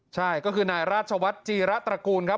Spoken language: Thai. ใช่ก็คือนายราชวัฒน์จีระตระกูลครับ